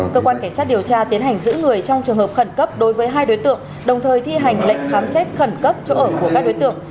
cơ quan cảnh sát điều tra tiến hành giữ người trong trường hợp khẩn cấp đối với hai đối tượng đồng thời thi hành lệnh khám xét khẩn cấp chỗ ở của các đối tượng